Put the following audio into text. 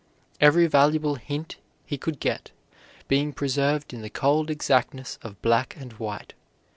every valuable hint he could get being preserved in the cold exactness of black and white.